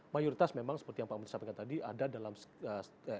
mayoritas memang seperti yang pak menteri sampaikan tadi ada dalam sejarah